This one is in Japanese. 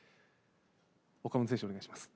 岡本選手、お願いします。